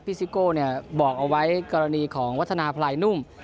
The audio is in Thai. ซิโก้บอกเอาไว้กรณีของวัฒนาพลายนุ่ม